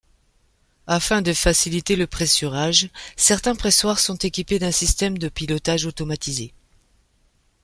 Afin de faciliter le pressurage, certains pressoirs sont équipés d’un système de pilotage automatisé.